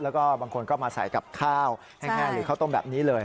แล้วก็บางคนก็มาใส่กับข้าวแห้งหรือข้าวต้มแบบนี้เลย